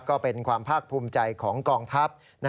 ก็เป็นความภาคภูมิใจของกองทัพ